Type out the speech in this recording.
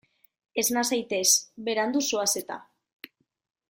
Esna zaitez, berandu zoaz eta.